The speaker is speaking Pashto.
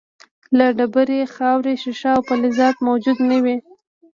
لکه ډبرې، خاورې، شیشه او فلزات موجود نه وي.